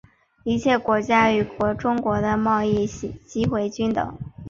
一切国家与中国的贸易机会均等。